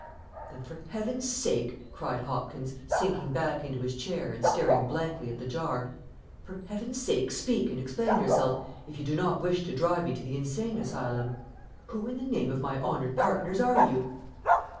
"Then for heaven's sake," cried Hopkins, sinking back into his chair and staring blankly at the jar, "for heaven's sake speak and explain yourself, if you do not wish to drive me to the insane asylum. Who in the name of my honoured partners are you?"